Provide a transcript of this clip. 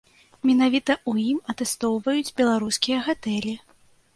Менавіта ў ім атэстоўваюць беларускія гатэлі.